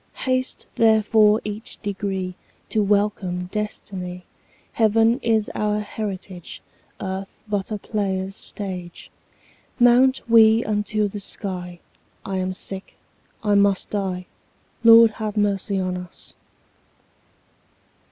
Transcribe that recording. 35 Haste therefore each degree To welcome destiny; Heaven is our heritage, Earth but a player's stage. Mount we unto the sky; 40 I am sick, I must die— Lord, have mercy on us!